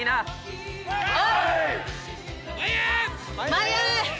前へ！